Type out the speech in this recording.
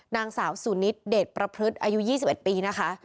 นางสาวสุนิทเดชประพฤติอายุ๒๑ปีนะคะ